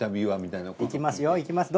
いきますよいきますよ。